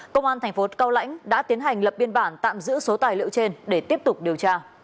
công an thành phố cao lãnh đã tiến hành lập biên bản tạm giữ số tài liệu trên để tiếp tục điều tra